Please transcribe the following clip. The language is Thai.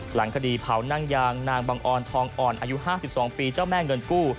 หลังคดีเผานั่งยางนางบังออนทองอ่อนอายุ๕๒ปีเจ้าแม่เงินกู้